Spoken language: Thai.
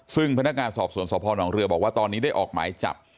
ซึ่งพนักงานสอบสวนสพนเรือบอกว่าตอนนี้ได้ออกหมายจับ